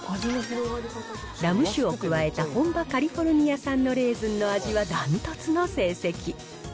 ラム酒を加えた本場カリフォルニア産のレーズンの味は断トツの成績。